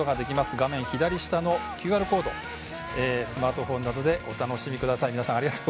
画面左下ＱＲコードスマートフォンなどでお楽しみください。